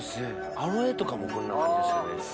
アロエとかもこんな感じでしたよね。